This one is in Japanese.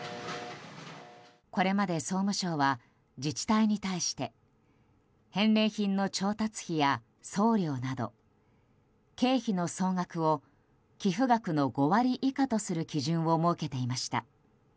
これまで総務省は自治体に対して返礼品の調達費や送料など経費の総額を寄付額の５割以下とする基準を設けていました。